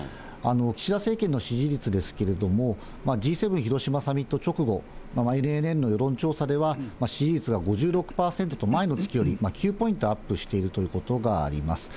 岸田政権の支持率ですけれども、Ｇ７広島サミット直後、ＮＮＮ世論調査では支持率が５６％と、前の月より９ポイントアップしているということがあります。